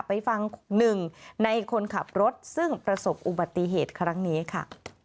ไปฟังหนึ่งในคนขับรถซึ่งประสบอุบัติเหตุครั้งนี้ค่ะ